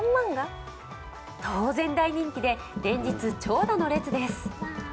当然、大人気で連日、長蛇の列です。